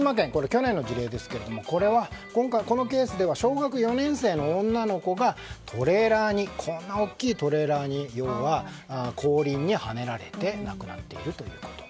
去年の事例ですが今回このケースでは小学４年生の女の子がこんな大きなトレーラーに後輪にはねられて亡くなっているということ。